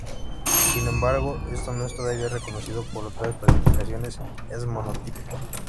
Sin embargo, esto no es todavía reconocido por otras clasificaciones.Es monotípica.